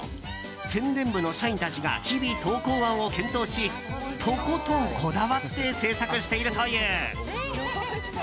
宣伝部の社員たちが日々、投稿案を検討しとことんこだわって制作しているという。